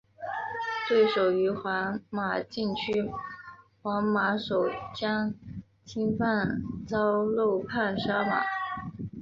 对手于皇马禁区皇马守将侵犯遭漏判十二码。